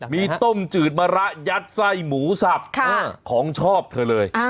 มีต้มจืดมะระยัดไส้หมูสับของชอบเธอเลย